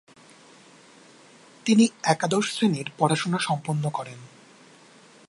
তিনি একাদশ শ্রেণির পড়াশোনা সম্পন্ন করেন।